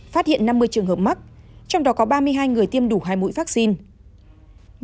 phát hiện năm mươi trường hợp mắc trong đó có ba mươi hai người tiêm đủ hai mũi vaccine